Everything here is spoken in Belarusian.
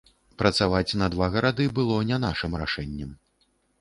Працаваць на два гарады было не нашым рашэннем.